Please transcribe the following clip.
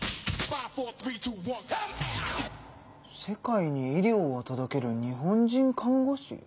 「世界に医療を届ける日本人看護師」？